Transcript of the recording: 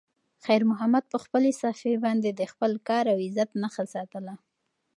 خیر محمد په خپلې صافې باندې د خپل کار او عزت نښه ساتله.